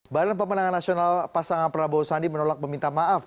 badan pemenangan nasional pasangan prabowo sandi menolak meminta maaf